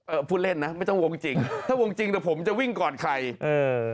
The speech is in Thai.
พูดเล่นนะไม่ต้องวงจริงถ้าวงจริงแต่ผมจะวิ่งก่อนใครเออ